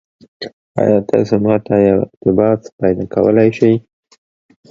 ایا تاسو ما ته یو اقتباس پیدا کولی شئ؟